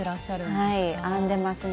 はい編んでますね。